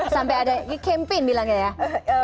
sampai ada kempen bilangnya ya